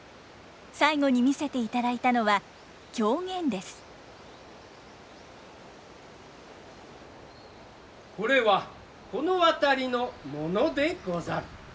最後に見せていただいたのはこれはこの辺りのものでござる。